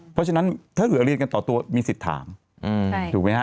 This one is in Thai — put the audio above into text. เพราะฉะนั้นถ้าเกิดเรียนกันต่อตัวมีสิทธิ์ถามถูกไหมฮะ